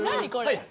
はい！